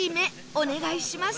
お願いします。